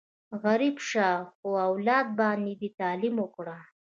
غریب شه، خو اولاد باندې دې تعلیم وکړه!